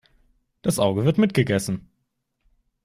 Das Auge wird mitgegessen.